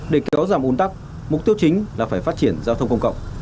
để kéo giảm un tắc mục tiêu chính là phải phát triển giao thông công cộng